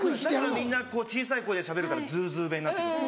みんな小さい声でしゃべるからズーズー弁になって来るんです。